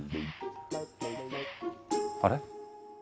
あれ？